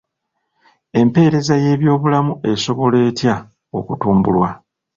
Empereza y'ebyobulamu esobola etya okutumbulwa?